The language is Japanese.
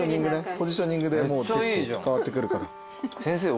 ポジショニングで変わってくるから。